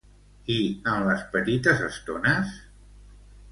I en les petites estones?